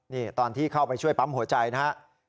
นี่ตอนที่เข้าไปช่วยปั๊มหัวใจนะครับ